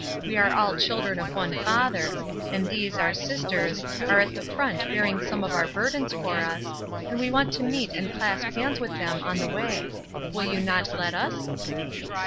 We are all the children of one Father, and these, our sisters, are at the front bearing some of our burdens for us, and we want to meet and clasp hands with them on the way. Will you not let us?"